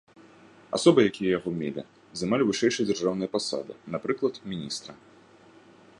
Асобы, якія яго мелі, займалі вышэйшыя дзяржаўныя пасады, напрыклад міністра.